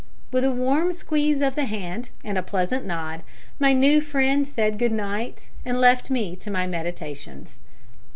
With a warm squeeze of the hand, and a pleasant nod, my new friend said good night, and left me to my meditations.